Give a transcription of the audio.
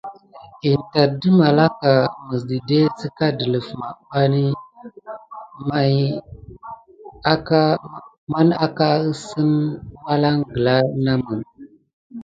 In tat də malaka məs dide səka dələf maɓanbi man aka əsən walangla namə.